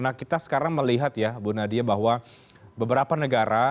nah kita sekarang melihat ya bu nadia bahwa beberapa negara